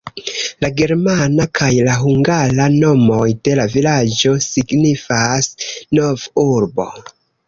La germana kaj la hungara nomoj de la vilaĝo signifas "nov-urbo".